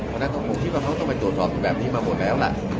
เพราะฉะนั้นก็คงคิดว่าเขาต้องไปตรวจสอบแบบนี้มาหมดแล้วล่ะ